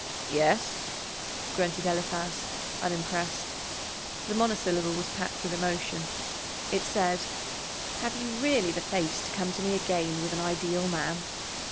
"Yes?" grunted Eliphaz, unimpressed. The monosyllable was packed with emotion. It said: "Have you really the face to come to me again with an ideal man?"